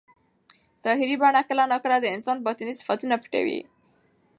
ظاهري بڼه کله ناکله د انسان باطني صفتونه پټوي.